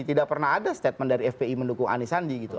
tidak pernah ada statement dari fpi mendukung anisandi gitu